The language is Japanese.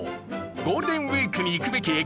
ゴールデンウィークに行くべき駅